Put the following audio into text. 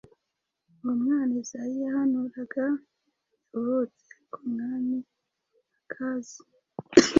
Uwo mwana Izayi yahanuraga yavutse ku mwami Akhazi,